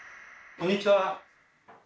こんにちは！